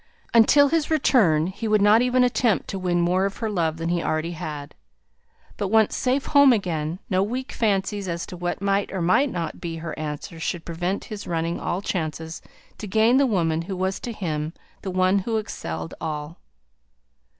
Until his return he would not even attempt to win more of her love than he already had. But once safe home again, no weak fancies as to what might or might not be her answer should prevent his running all chances to gain the woman who was to him the one who excelled all.